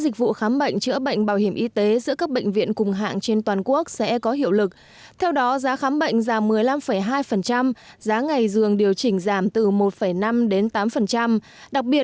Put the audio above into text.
cảm ơn các bạn đã theo dõi và hẹn gặp lại